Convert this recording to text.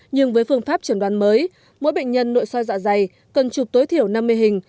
nhưng với phương pháp chẩn đoán mới mỗi bệnh nhân nội soi dạ dày cần chụp tối thiểu năm mươi hình